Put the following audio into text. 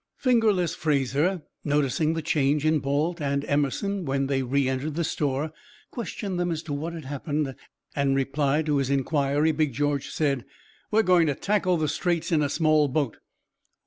"Fingerless" Fraser, noticing the change in Balt and Emerson when they re entered the store, questioned them as to what had happened; and in reply to his inquiry, Big George said: "We're going to tackle the Straits in a small boat."